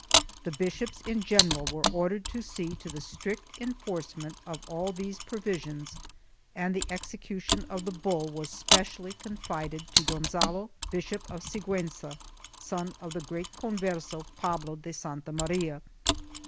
The bishops in general were ordered to see to the strict enforce ment of all these provisions and the execution of the bull was specially confided to Gonzalo, Bishop of Sigiienza, son of the great Converse, Pablo de Santa Maria.